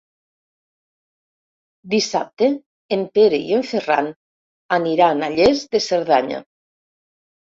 Dissabte en Pere i en Ferran aniran a Lles de Cerdanya.